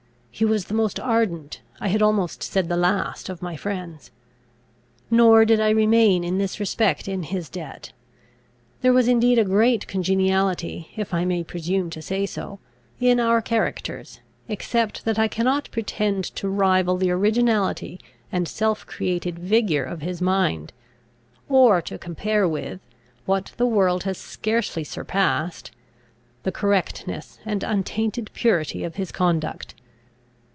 He was the most ardent, I had almost said the last, of my friends. Nor did I remain in this respect in his debt. There was indeed a great congeniality, if I may presume to say so, in our characters, except that I cannot pretend to rival the originality and self created vigour of his mind, or to compare with, what the world has scarcely surpassed, the correctness and untainted purity of his conduct.